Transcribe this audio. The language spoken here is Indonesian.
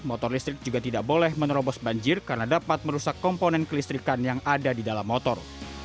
motor listrik juga tidak boleh menerobos banjir karena dapat merusak komponen kelistrikan yang ada di dalam motor